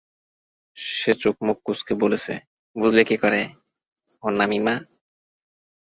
সে চোখ-মুখ কুঁচকে বলেছে, বুঝলি কি করে, ওর নাম ইমা?